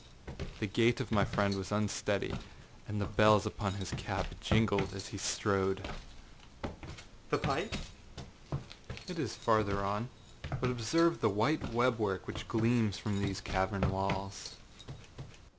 The gait of my friend was unsteady, and the bells upon his cap jingled as he strode. âThe pipe,â said he. âIt is farther on,â said I; âbut observe the white web work which gleams from these cavern walls.